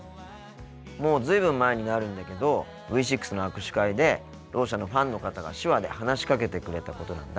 もう随分前になるんだけどＶ６の握手会でろう者のファンの方が手話で話しかけてくれたことなんだ。